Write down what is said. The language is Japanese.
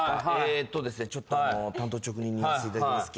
ちょっと単刀直入に言わせていただきます。